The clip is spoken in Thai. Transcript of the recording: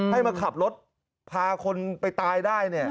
ให้มาขับรถพาคนไปตายได้